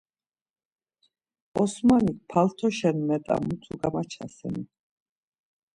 Osmanik paltoşen met̆a mutu gamaçaseni?